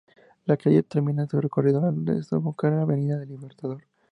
La calle termina su recorrido al desembocar en la Avenida del Libertador.